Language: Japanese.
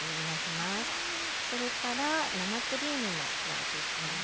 それから生クリームも加えていきます。